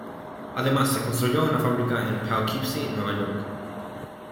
Además se construyó una fábrica en Poughkeepsie, Nueva York.